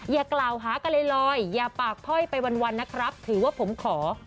อย่ากล่าวหากันลอยอย่าปากพ้อยไปวันนะครับถือว่าผมขอ